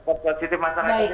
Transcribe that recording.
respon positif masalah ini kan